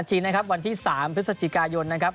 ชิงนะครับวันที่๓พฤศจิกายนนะครับ